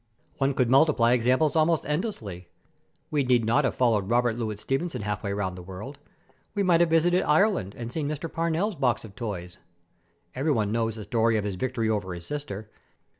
One could multiply examples almost endlessly. We need not have followed Robert Louis Stevenson half way round the world. We might have visited Ireland and seen Mr. Parnell's box of toys. Everybody knows the story of his victory over his sister.